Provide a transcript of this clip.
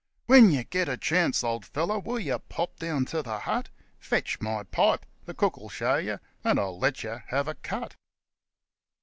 ( When yer get a chance, old feller, will yer pop down to the hut ? 'Fetch my pipe the cook '11 show yer and I'll let yer have a cut.'